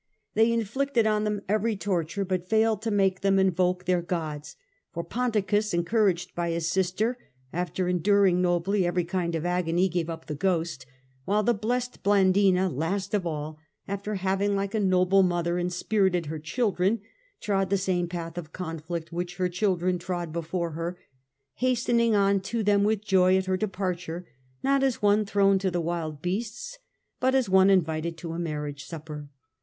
They inflicted on 144 of the Antonines, ch. vi ihem every torture, but failed to make them invoke their gods; for Ponticus, encouraged by his sister, after enduring nobly ever)' kind of agony, gave up the ghost, while the blest Blandina, last of all, after having like a noble mother inspirited her children, trod the same path of conflict which her children trod before her, hastening on to them with joy at her departure, not as one thrown to the wild beasts, but as one invited to a marriage supper